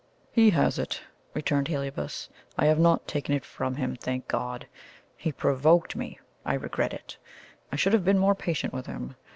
"He has it," returned Heliobas; "I have not taken it from him, thank God! He provoked me; I regret it. I should have been more patient with him.